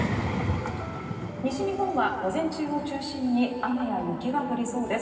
西日本は午前中を中心に雨や雪が降りそうです。